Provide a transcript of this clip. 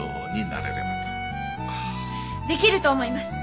できると思います。